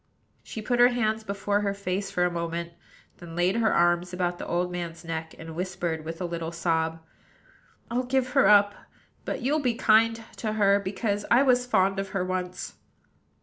She put her hands before her face for a moment; then laid her arms about the old man's neck, and whispered, with a little sob: "I'll give her up; but you'll be kind to her, because I was fond of her once."